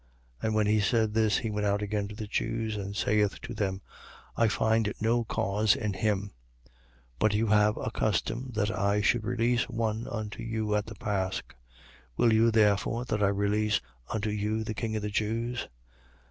And when he said this, he went out again to the Jews and saith to them: I find no cause in him. 18:39. But you have a custom that I should release one unto you at the Pasch. Will you, therefore, that I release unto you the king of the Jews?